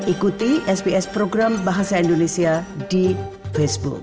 ikuti sps program bahasa indonesia di facebook